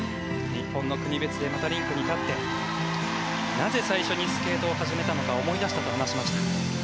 日本の国別でまたリンクに立ってなぜ最初にスケートを始めたのか思い出したと話しました。